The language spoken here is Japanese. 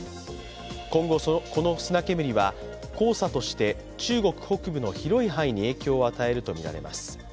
今後、この砂煙は黄砂として中国北部の広い範囲に影響を与えるとみられます。